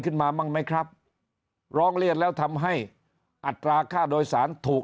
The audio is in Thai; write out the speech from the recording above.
บ้างไหมครับร้องเรียนแล้วทำให้อัตราค่าโดยสารถูก